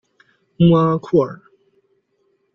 穆阿库尔。